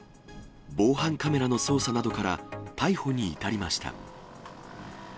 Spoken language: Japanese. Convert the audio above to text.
防犯カメラの捜査などから、逮捕に至りました。